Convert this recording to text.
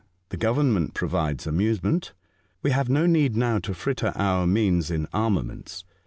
The Government provides amusement. We have no need now to fritter our means in armaments.